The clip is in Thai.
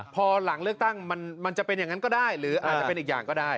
พอหลังเลือกตั้งมันจะเป็นอย่างนั้นก็ได้หรืออาจจะเป็นอีกอย่างก็ได้